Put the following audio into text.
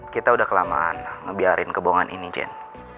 kita udah kelamaan ngebiarin kebohongan ini jen